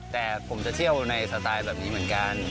แต่ผมจะเที่ยวในสไตล์แบบนี้เหมือนกัน